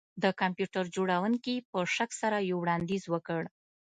د کمپیوټر جوړونکي په شک سره یو وړاندیز وکړ